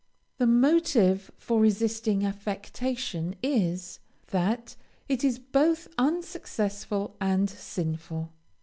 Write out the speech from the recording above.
The motive for resisting affectation is, that it is both unsuccessful and sinful.